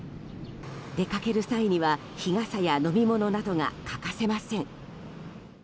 出かける際には、日傘や飲み物などが欠かせません。